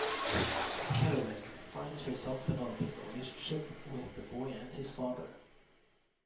Kerewin finds herself developing a relationship with the boy and his father.